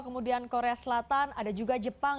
kemudian korea selatan ada juga jepang